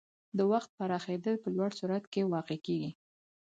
د وخت پراخېدل په لوړ سرعت کې واقع کېږي.